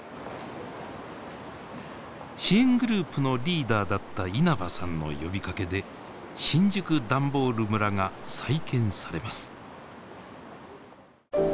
支援グループのリーダーだった稲葉さんの呼びかけで新宿ダンボール村が再建されます。